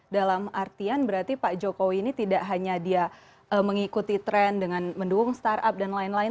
dalam artian berarti pak jokowi ini tidak hanya dia mengikuti tren dengan mendungung startup dan lain lain